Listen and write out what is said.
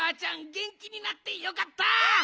げんきになってよかった！